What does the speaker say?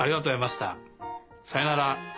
さようなら。